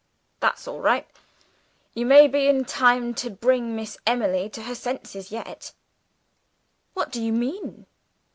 "That's all right! You may be in time to bring Miss Emily to her senses, yet." "What do you mean?"